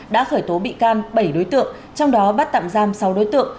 đã khởi tố bị can bảy đối tượng trong đó bắt tạm giam sáu đối tượng